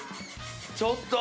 ちょっと。